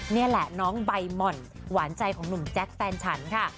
นี่แหละน้องใบหม่อนหวานใจของหนุ่มแจ๊คแฟนฉันค่ะ